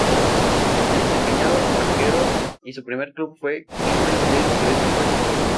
Se desempeñaba como arquero y su primer club fue Quilmes de Tres Arroyos.